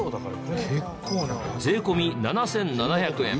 税込み７７００円。